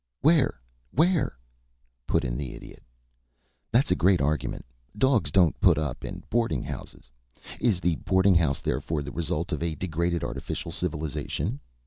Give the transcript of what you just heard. "Where? where?" put in the Idiot. "That's a great argument. Dog's don't put up in boarding houses. Is the boarding house, therefore, the result of a degraded, artificial civilization?